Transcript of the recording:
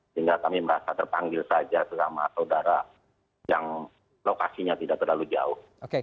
sehingga kami merasa terpanggil saja sesama saudara yang lokasinya tidak terlalu jauh